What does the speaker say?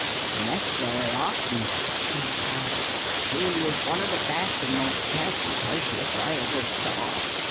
"Yes, sir often," he replied. "She was one of the best and most careful typists I ever saw.